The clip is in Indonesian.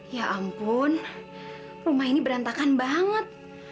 ya ampun rumah ini berantakan banget